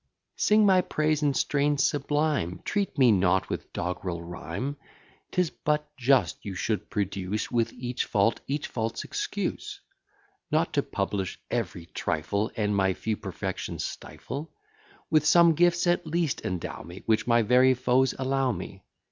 Sing my praise in strain sublime: Treat me not with dogg'rel rhyme. 'Tis but just, you should produce, With each fault, each fault's excuse; Not to publish every trifle, And my few perfections stifle. With some gifts at least endow me, Which my very foes allow me.